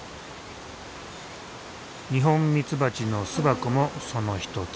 ニホンミツバチの巣箱もその一つ。